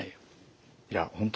いや本当